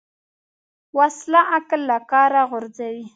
وسله عقل له کاره غورځوي